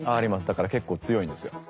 だから結構強いんですよ。